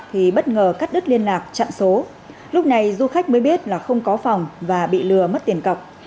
thì bất ngờ cắt đứt liên lạc chặn số lúc này du khách mới biết là không có phòng và bị lừa mất tiền cọc